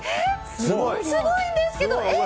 すごいんですけど！